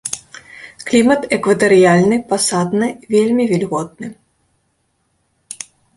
Клімат экватарыяльны пасатны, вельмі вільготны.